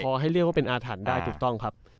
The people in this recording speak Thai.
พอให้เรียกว่าเป็นอาถรรพ์ได้ถูกต้องครับ